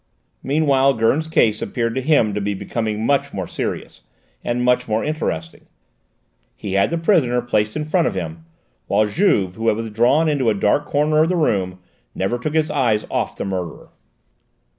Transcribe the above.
Meanwhile Gurn's case appeared to him to be becoming much more serious, and much more interesting. He had the prisoner placed in front of him, while Juve, who had withdrawn into a dark corner of the room, never took his eyes off the murderer.